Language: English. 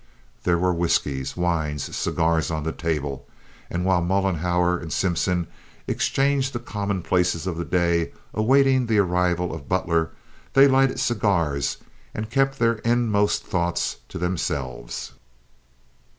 There were whiskies, wines, cigars on the table, and while Mollenhauer and Simpson exchanged the commonplaces of the day awaiting the arrival of Butler, they lighted cigars and kept their inmost thoughts to themselves.